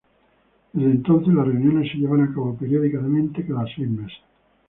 Desde entonces las reuniones se llevan a cabo periódicamente cada seis meses.